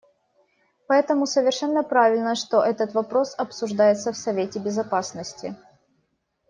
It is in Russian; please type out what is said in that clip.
Поэтому совершенно правильно, что этот вопрос обсуждается в Совете Безопасности.